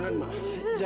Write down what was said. mama mau lihat ini siapa